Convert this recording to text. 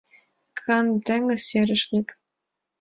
Канде теҥыз серыш лектын